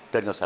trên cơ sở